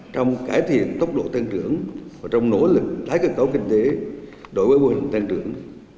trong cải thiện tốc độ tăng trưởng và trong nỗ lực tái cơ cấu kinh tế đối với mô hình tăng trưởng